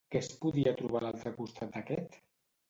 Què es podia trobar a l'altre costat d'aquest?